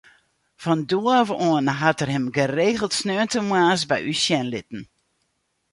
Fan doe ôf oan hat er him geregeld sneontemoarns by ús sjen litten.